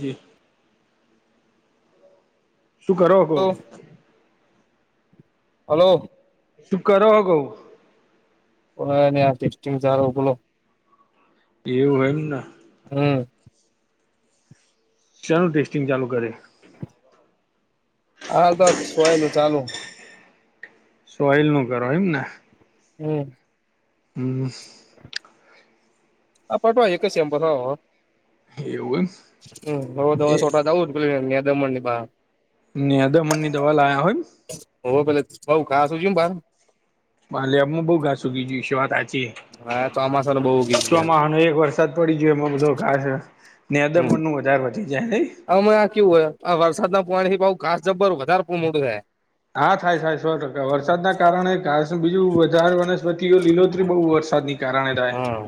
જી. શું કરો. Hello hello. તું કરો [inaudible] ારો બોલો એવું એમને ને. હમ. ચાલ ટેસ્ટિંગ ચાલુ કરે. હા સવા. ચાલો. સોઈલ નું કરો એમ ને. હમ. હમ. આ પટવાય એક જ સેમ્પલ થ એવું હમ હ એમ એ દવા સોટા દઉ. દમ મળણ બાા. નેદમન ની દવા લાયા હોય ને. હો પેલે બઉ ખા સુું છેમ બાર. ભલે એમું બહુ ઘાસુ ઉગી ગી છે વાત સાચી હા ચોમાસા ને બહુ ઉગી ગયા ચોમા ન એક વર્ષ. તત પડી જોઈએ એમાં બધો ઘાસ ને અદમ મણનું વધારે વધી જાય નહીં. હમે આ કેવ હોય આ વરસાદ ના પાણી થી બ ઘાસ જબ્બર વધારે પુ મોડું છેાય. હા થાય થાય સો ટકા વરસાદ ના કારણે ઘાસ બીજું વધારે વન્સપતિઓ લીલોતરી બહુ વરસાદ ની. હમ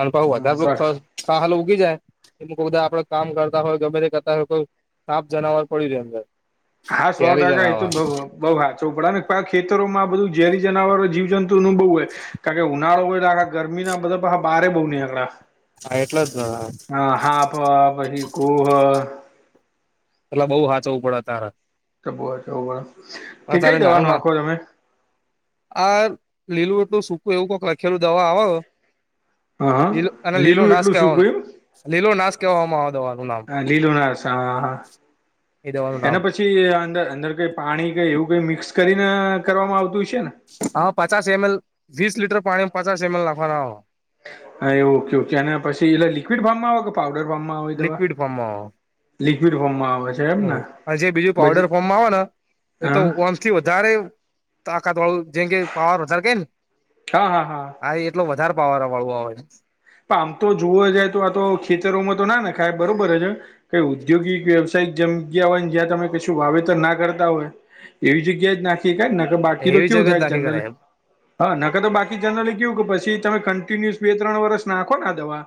અને ભ વધારે સર ખાલ ઉગી જાય. એ કો બધા આપડે કામ કરતા હોય ગમે કરતા હોય કોઈ સાફ જનાવર પડીયું રે અંદર. હા સો ઝેરી ટકા એ જનાવર તો બઉ બઉ હાચુ પણ ને ખેતરોમાં બધું ઝેરી જનાવરો જીવ જંતુ. તુનુ બહુ હે કાકે ઉનાળો હોય તો ગરમી ના બધા હ બારે બહુ નેકળે. હા એટલે જ ને હા હા હાપ પહી કુ હ. એટલે બઉ હાચવું પડે તારે. [unintelligible] આ પડે તે તારે કઈ દવા નાનું ના નાખો તમે આ લીલું એટલું સૂકું એવું કઈક લખેલું દવા આવે. હ લીલું અને હ લીલુ લીલું નાશ એટલું સૂકું કેવાનું એમ લીલો નાશ કવામાં આવેતો. હા લીલુ નાસ હા હા એ દવાનું નામ એના પછી પછી અંદર અંદર કઈ પાણી કઈ એવું કઈ મિક્સ કરીને કરવામાં આવતું હોય છે ને? હા પચાસ એમ એલ, વીસ લીટર પાણી પચાસ એમ એલ નાખવાનું આવે. હા એ ઓકે ઓકે અને પછી એલે લિક્વિડ ફાર્મમાં આવે કે પાઉડર ફાર્મમાં આવે એ દવા? લિક્વિડ લિક્વિડ ફોર્માં આવે છે. એમ ને હા અને જે બીજું બધી પાવડર ફોર્મમાં આવે ને એ તો હા ઓમ થી વધારે તો આકાાત વાળું જે કે પવાર હજાર કઈ ને. હા હા હા. એટલો વધારે પાવર વાળુ આવે છ. પણ આમ તો જોવા જાય તો આ તો ખેતરોમાં તો ના નેખાય બરોબર છે. કઈ ઔદ્યોગિક વ્યવસાયિક જગ્યા હોયને જ્યાં તમે કશું વાવેતર ના કરતા હોય. એવી જગ્યાએ જ નાખી હકાય બાકી તો એવી કેવું જગત થાય નાખી જનરલ કરે એમ હા નખ તો બાકી જનરલી કેવુ કે પછી તમે કન્ટિન્યુઅસ બે ત્રણ વરષ નાખો ને આ દવા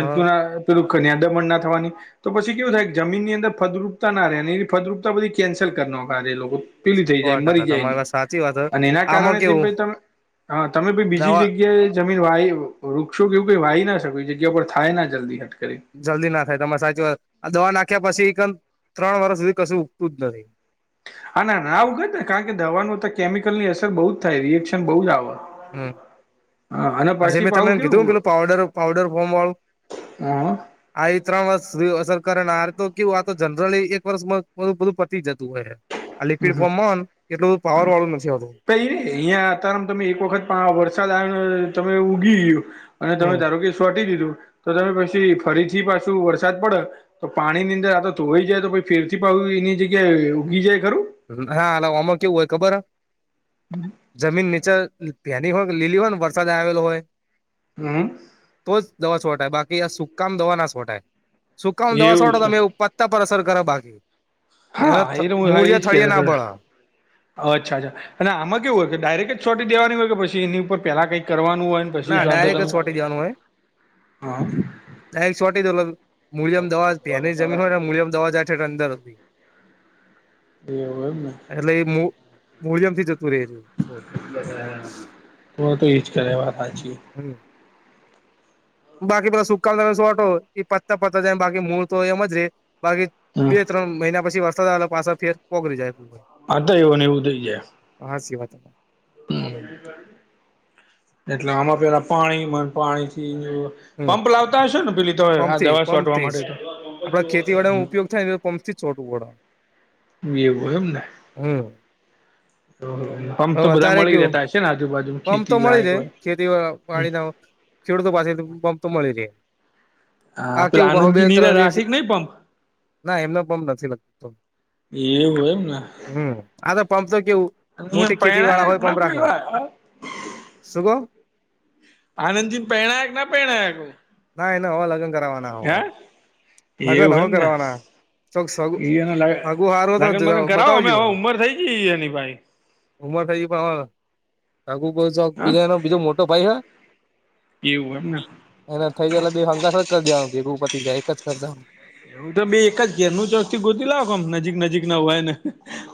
હા પેલું ખન્યા દમણ ના થવાની તો પછી કેવું થાય જમીનની અંદર ફદુપતા ના રહે એ ફદ્રુપતા બધી કેન્સલ કરના આે લોકો. પીલી થઈ સો જાય મરી ટકા જાય તમારી એની, વાત સાચી વાત એના આમાં કારણે જે કેવું પહ તમે હા તમે ભાઈ બીજી દવા જગ્યાએ જમીન વાય રોખશો કેવું કોઈ વાહી ના શક્યું જગ્યા ઉપર થાય ના જલ્દી હટ કરી. જલ્દી નાખાય તમારે સાચી વાત. દવા નાખ્યા પછીમ ત્રણ વર્ષ સુધી કશું ઉગતું જ નથી. હા ના ના ઉગત ને કારણ કે દવા નું તો કેમિકલ ની અસર બહુ જ થાય રિએક્શન બહુ જ આવે. હમ્મ. હા અને આજે પછી મેં તમને પાવું કેવું કીધું પેલું પાવડર પાવડર ફોમ વાળુ. હ આ ત્રણ વર્ષ અસર કરે ને આ તો કેવું આ તો જનરલી એક વર્ષ બધું પતી જતું હોય. આ હમ લિક્વિડ હમ ફોર્મમાં એટલું પાવર વાળું નથી આવતું. કઈ રે અહિયાં અત્યારે તમે એક વખત પણ વરસાદ આવે તમે ઊગી ગુ અને તમે ધારો હમ કે સોટી દીધું તો તમે પછી ફરીથી પાછું વરસાદ પડ્યો તો પાણી ની અંદર આ તો ધોવાઈ જાય તો પી ફેર થી પા એની જગ્યાએ ઉગી જાય ખરું? ના હા અમ કેવું હોય ખબર હે? હમ્મ. જમીન નીચે પેની હોય લીલી હોય ને વરસાદ આવેલો હોય હમ્મ. તો જ દવા છોટાય બાકી આ સુકામાં દવા ના છોટાય સુકામાં દવા એવું છોટો છે તમે ઉપ તા પર અસર કરે બાકી. એના હા એ હું હા મૂળિયા એજ કે થળિયા ના તા બળ અચ્છા અચ્છા. અને આમાં કેવું હોય કે ડાયરેક્ટ છોટી દેવાની હોય કે પછી એની ઉપર પેલા કંઈક કરવાનું હોય પછી ના સાંધો ડાયરેક્ટ તમે જ છોટી દેવાનું હોય. હા. દારેક છોટી દ મૂળિયામ દવા પે ની જમી હોય ને મૂિયામ દવા જાય છે અંદર. [inaudible] બેવ એમને. એટલે એ મુ મુલ્યુ બી જતું રહે. [inaudible] તો એજ કરે વાત સાચી. હમ્મ. બાકી બધા સુકામાં તમે શુંટો એ પતા પતા જાય બાકી મૂળ તો હોય એમ જ રે. બાકી હમ બે ત્રણ મહિના પછી વરસાદ આવેલા પાછ ફેર પોકળડી જાયું. આતા એવુ ને એવું થઈ જાય હાસી વાત એટલે આમાં પેલા પાણી માં પાણી [unintelligible] પંપ લાવતા હશે ને પેલી તો પંપ આ થી દવા પંપ છાંટવા થી જ માટે તો આપડે ખેતીવાડી નો ઉપયોગ થાય ને પંપ થી છોટવુ પડ. એવું એમને હમ્મ. પંપ તો બધા મળી કેવું રહેતા હશે ને આજુબાજુ પંપ તો ખેતી મળી લાયક રહે હોય ખેતી પાણી ના ખેડૂતો પાસેથી પંપ તો મળી રહે. હા પેલા કેવું પહું બે આનંદજી નીરે ત્રણ રાખે દિવસે કે નહી પંપ ના એમનો પંપ નથી લગતો એવું એમ ને હમ આ તો પંપ તો કેવું મોટી ખેતી વાળા પરણાયક હોય ના પંપ રાખ પરણાયક શું કો આનંદજીન પરિણાયક ના પરિણાયક ના એને હવા લગ્ન કરવાના હો લગ્ન એવું હો એમ ને કરવાના ચોક સગું ઈ એને લાગે હગુ હારું તો લગન બગન કરાવો અમે બતાવજો હવે ઉંમર થઈ ગઈ એની ભાઈ ઉમર થઈ [unintelligible] હા બીજનો બીજો મોટો ભાઈ હોય એવું એમને એને થઈ જાય એટલે [unintelligible] જ કરી દે ભેગું પતિ જાય એકજ ખર્ચા હવું તો બે એક જ ઘેરનું ચોકથી ગોતી લાવમ નજીક નજીક ના હોય ને.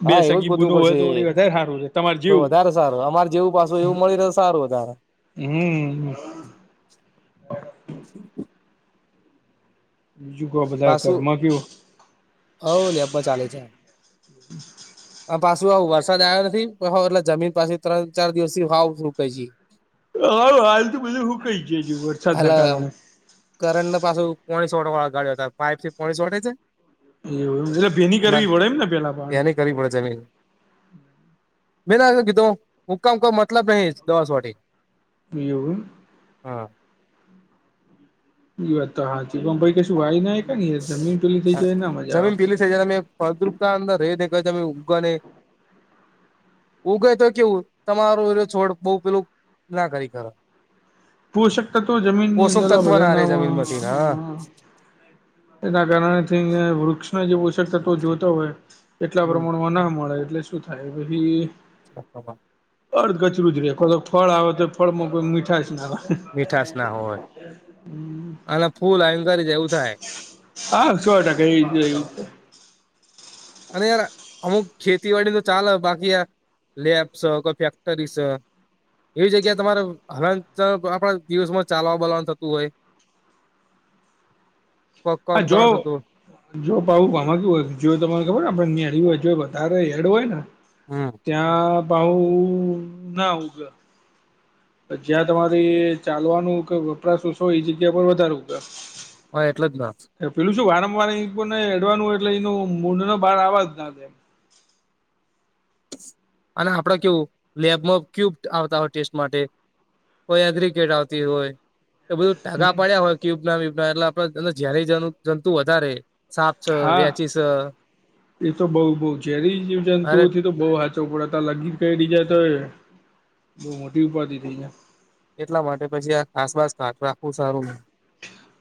બે હા એવું જ સગી ગોતવું બુનો હોય પડશે તો વધારે સારું છે તમારે તો જેવું વધારે સારું અમારે જેવું પાછું એવું મળી રહે સારું વધારે હમ્મ. [inaudible] બીજું કો બધા પાછું ઘરમાં કેવું હવ [unintelligible] ચાલે છે [inaudible] આ પાછું આવ વરસાદ આયો નથી એટલે જમીન પાછી ત્રણ ચાર દિવસથી હ હાલ તો બધું હુંકઈ વરસાદના એટલે કારણે [unintelligible] પાઈપ થી પોણી શોટે છે અને [unintelligible] ને પેલા પાણી [unintelligible] [unintelligible] એવું એમ હા [unintelligible] થઈ જાય ના મજા આવે જમીન પીલી તમે ફળદ્રુપતા અંદર રહી ને તમે [unintelligible] ઉગય તો કેવું તમારું છોડ બહુ પેલું ના કરી કર પોશક તત્વો જમીન ની પોષક અંદર તત્વ ના રે જમીન બધાનામાં માંથી હા [unintelligible] એના કારણે થી વૃક્ષના જે પોષક તત્વો જોતા હોય એટલા પ્રમાણમાં ના મળે એટલે શું થાય પછી [unintelligible] અર્ધ કચરું જ રે કોદા ફળ આવે તો ફળમાં કોઈ મીઠાસ ના આવે. મીઠશ ના હોય અને ફૂલ આવીને ગરી જાય એવું થાય. હા સો ટકા એ જ [unintelligible] અને યાર અમુક ખેતીવાડી તો ચાલે બાકી યાર લેબસ કોઈ ફેક્ટરીસ એવી જગ્યા તમારે હલન આપણા દિવસમાં ચાલવા બાલવા થતું હોય કોક હ કામ કરવાનું જો થતું હોય [unintelligible] ત્યાં પાહુ ના [unintelligible] જ્યાં તમારી ચાલવાનું કે વપરાશું છો, એ જગ્યા પર વધારવું કે? હા, એટલે જ ના. એ પેલું શું વારંવાર એ ને એડવાનું એટલે એનું મડ નો બહાર આવવા જ ના. અને આપડે કેવું, લેબમાં ક્યુબ આવતા હોય ટેસ્ટ માટે? કોઈ એગ્રિકેટ આવતી હોય. એ બધું ટાગા પડ્યા હોય ક્યુબના, વ્યુબના એટલે આપણે જયારે જંતુ વધારે સાપ છે હા, વેચી છે એ તો બહુ બહુ રી અરે જીવજંતુઓથી તો બઉુ હચો પડતા લગી જ કઈ રીજાય તો એ બહુ મોટી ઉપાતી થઈ જાય. એટલા માટે પછી આ આસપાસ કાચ રાખવું સારું?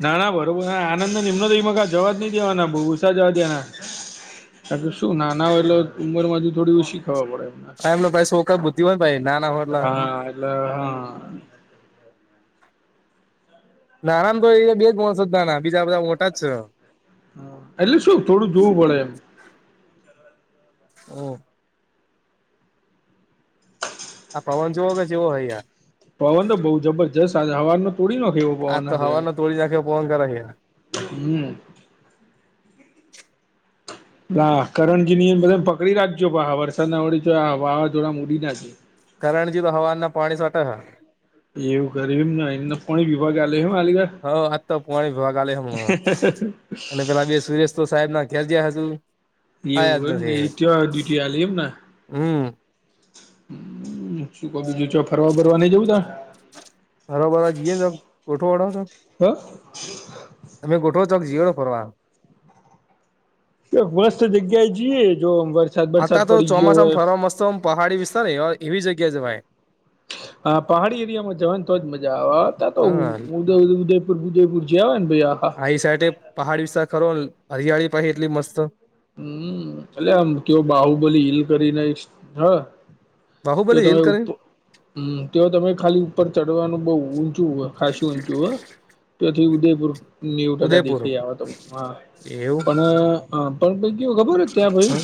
ના ના, બરોબર, આનંદ ને એમનો તો એમાં જવા જ નહી દેવાના, બહુ ઓછા જવા દેવાના. આ શું નાના હોય એટલે ઉંમર માંથી થોડી ઓછી ખાવા પડે? આ એમનો ભાઈ છોકરા બુદ્ધિ હોય ને ભાઈ નાના હોય એટલે હા, એટલે હા. [unintelligible] નાના તો એ બે જ માણસ જ નાના, બીજા બધા મોટા જ છે. એટલે શું થોડું જોવું પડે એમ? ઓ [unintelligible] [unintelligible] આ પવન જોવો કે જેવો હય યાર. પવન તો બઉુ જબરજસ્ત હવારનો તોડી ને. આ તો હવા નું તોળડી નાંખ્યો પણ કરે છે. હમ. લા, કરંની નિયમ બંધ પકડી રાખજો, વરસાદ ના પડે તો વાવાઝોડા મળી ના. કરણજી તો હવા ના પાણી સાથે હ. એવું કર, એમ એ ફણી વિભાગ આયો એમ હાલગ હ આજ તો પાણી ભગાલે હમ અને પેલા બે સુરેશ તો સાહેબ ના ઘેર જયા હતું. એ એવું હોમ ને એ ત ડ્યુટી હલી એમને. હમ શું, કો બીજું ફરવા બરવા નઈ જઉું તો બરોબર, જીએ તો થોડો વડાવ છે, હ અમે થોડો તક જ જોઈએ ફરવા. મસ્ત જગ્યાએ જઈએ જો વરસાદ વરસાદ આતા તો પડી ગયો ચોમાસામાં હોય. ફરવા મસ્ત આમ પહાડી વિસ્તાર એવી જગ્યાએ જવાય. અ પહાડી એરિયામાં જવાની તો જ મજા આવે, અત્યારે તો હા ઉ ઉદયપુર ઉદયપુર જઈ આવ્યા ને, ભાઈ? એ સાઈડે પહાડી વિસ્તાર ખરો, હરિયાળી પછી એટલી મસ્ત. હમ, એટલે આમ કેવું, બાહુબલી હિલ કરીને, હ તે બાહુબલી તમે હિલ કરી ઉતો, હમ્મ, તો તમે ખાલી ઉપર ચડવાનું બહુ ઉ ચ ખાાસું ઊંચુ હ ત્યાંથી ઉદયપુર. નેવું ટકા ઉદયપુર દેખાઈ આવે તો, હા એવું પણ પણ તો કેવું હોય, ખબર હોય ત્યાં, ભાઈ?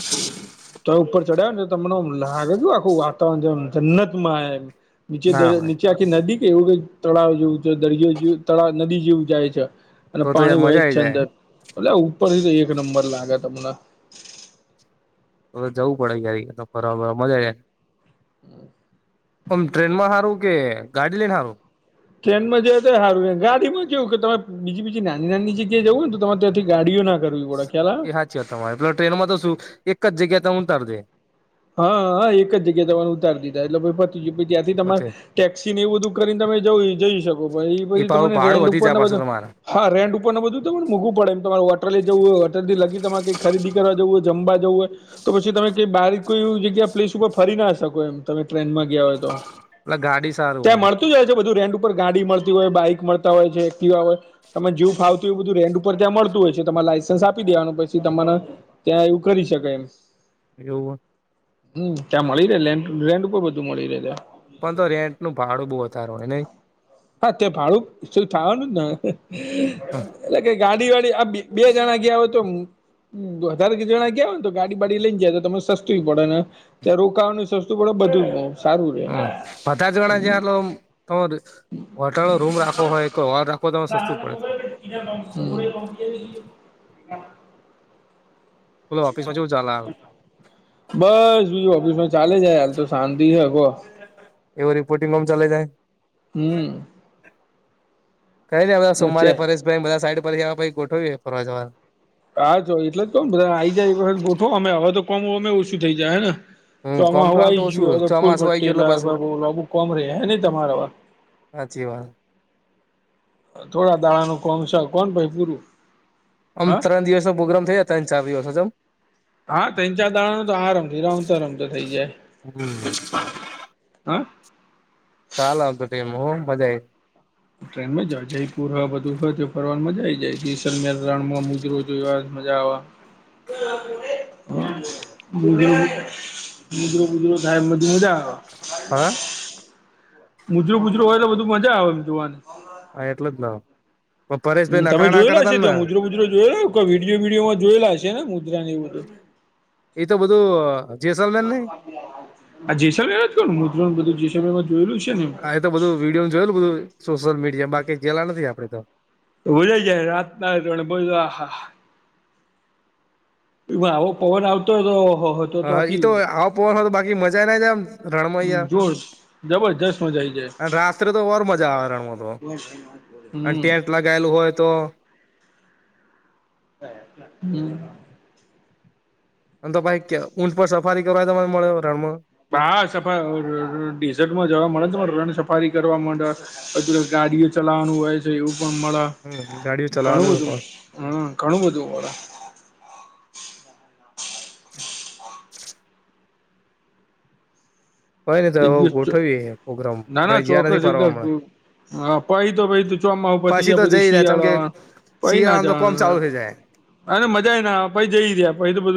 તો એ ઉપર ચડયા ને, તો તમને એવ લાગે ન ઈ આખું વાતાવરણ જેમ જન્નતમાં હે? નીચે તો ના હોય નીચે આખી નદી કે એવું કઈ તળાવ જેવું છે, દરિયો જે તળાવ-નદી જેવું જાય છે. અને તો તો પાણી યાર વય જ મજા છે આઈ અંદર, જાય એટલે ઉપર થી તો એક નંબર લાગે તમને. તો જવું પડે કયારે ક તો ફરવા, મજા જ. હમ. હમ, ટ્રેન માં હારું કે ગાડી લઈને હારું? ટ્રેનમાં જ તો સારું, ગાડીમાં કેવ કે તમે બીજી બીજી નાની નાની જગ્યા જવું ને, તમામે ત્યાંથી ગાડીઓ નાખ એ સાચી વાત, તમારે પેલા ટ્રેનમાં તો શું એક જ જગ્યા તો ઉતાર દે? હા હા, એક જગ્યાએ તમાને ઉતારી દીધા એટલે પછી ત્યાંથી તમારે પતે ટેક્સી ને એવું બધું કરીને તમે જઈ શકો છો, એ પછી પાહુ તને ભાડું રેન્ટ વધી ઉપર જાય ને પાછું બધું. તમારે હા, રેન્ટ ઉપર ને બધું તમારે મોઘું પડે એમ, તમારે હોટલે જવું હોય, હોટલથી લગી તમારે કંઈ ખરીદી કરવા જવું હોય, જમવા જવું હોય. તો પછી તમે કંઈ બારીક કોઈ એવી જગ્યા, પ્લેસ ઉપર ફરી ના શકો એમ? તમે ટ્રેનમાં ગયા હોય તો એટલે ગાડી સારું ત્યાં ઓમ મળતા. જાય છે બધું રેન્ટ ઉપર ગાડી મળતી હોય બાઈક મળતા હોય છે એક્ટીવા હોય. તમે જેવું ફાવતું હો એ બધું રેન્ટ ઉપર ત્યાં મળતું હોય છે તમારે લાયસન્સ આપી દેવાનું પછી તમાને ત્યાં એવું કરી શકાય. એવુ હોય. હમ ત્યાં મળી રહે રેન્ટ ઉપર બધું મળી રહે ત્યાં. પણ તો રેન્ટ ન ભાડું બહુ વધારું હોય નહી. હા ત્યાં ભાડું થાવાનું એટલે ક ગાડી વાડી આ બે જણા ગયા હતો. હમ વધારે જણા ગયા હોયને તો ગાડી બાાડી લઈને જાય તો તમે સસ્તુ પડે ને ત્યાં રોકાવાની સસ્તું પડે બધું જ. હમ પચાજ ગણા જેલો તમર હોટલ નો રૂમ રાખવો હોય હોલ રાખવો તો સસ્તું પડે છે. હમ [unintelligible] બોલો ઓફિસમાં કેવું ચાલે હાલ. બસ જોય ઓફિસમાં ચાલે જાય હાલ તો શાંતિ છે અગો. એવો રિપોર્ટિંગ રમ ચાલી જાય. હમ. કઈ ની હવે વચ્ચે સોમવારે પરેશભાઈ બધા સાઈડ પર ગયા પછી ગોઠવવી ફરવા જવાનું. હા ચો એટલે તો બધા આઈ જાય એક વખત ગોઠો અમે હવે તો કોમું અમે ઓછું થઇ જાય હે ને. તો હમ કોમ આમાં હાલ હવાઈ તો ઓછું જો ફૂલ ચોમાસું આવી ગયું એટલે પાછું પટ્ટલાુ કોમ રે હ ન તમારા હવ? સાચી વાત. થોડા દાણા નુ કામ છે કોન ભાઈ પુરૂ. આમ ત્રણ દિવસ ન પ્રોગ્રામ થયા ત્રણ ચાર દિવસમા આજાવ. હા તણ ચાર દાણાનો તો આરામથી રમતા રમતા થઈ જા હમ હે ચાલ આવતો ટીમ હું મજા આએ. ટ્રેનમાં જ જયપુર હ બધું તો ફરવાનમાંજા આવી જાય જેસલ મેણમાં મુજરો. દ વાર મજા આવે [unintelligible] હ મુજર બુજર ઘાય મજા આવે. હા. મૂજરોું ગુજરું હોય તો બધું મજા આવે એમ જોવાને. હા એટલે જ ને. મ પરેશભાઈ તમે નખરા ના જોયેલા કરતા હશે ને ત્યાં મુદ્રો મુદરો જોયેલોઈ વિડીયો વિડીયો માં જોયેલા હ ને મુદ્ર ને એ બધું એ તો બધું જેસલન નને આ જેસર એ જ કરું મુંત્રો બધું જેસ એમાં જોયેલું છે ને. આ એ તો બધું વિડીયો જોયેલું બધું સોશિયલ મીડિયામાં બાકી જેેલા નથી આપડે તો. બોજઈ જાય રાત ના ત બો આહા [unintelligible] તો આવો પવન આવતો હોવ તો. હ હા ઈ આખી તો આવ પોનું તો બાકી મજા ના જમ રણમા અઈયા. જોર જબરજસ્ત મજા આઈ જાય અને રાત્રે તો બર મજા આવરણમાં તો અને હમ ટેન્ટ લગાયેલું હોય તો. હમ. અનેમ તો ભાઈ ઊંચ પર સફારી કરવાય તો તને મળે રણમાં. હા સફા ડેઝટમાં જવા મળે રણ સફારી કરવા માંતે. બધુ ગાડીઓ ચલાવવાનું હોય છે એવું પણ મળે. હમ ગાડીઓ ઘણું ચલાવવાનું બધું પણ હમ ઘણું બધું મળે. [inaudible] કઈ નઈ તો એક હવે દિવસ ગોઠવીએ પ્રોગ્રામ ના ના હમણાં જ્યાં નથી ચોક્કસ ફરવા એકદમ હમણાં હા પઈ તો ભાઈ તું ચોમા પતી પછી તો જાય તું જઈ રહ્યા ચમ શિયાળો. કે પઈ ના શિયાળામાં તો કોમ ચાલુ જવાનું થઇ જાય અને મજા ના પછ જઈ રહયા પછી તો બધું.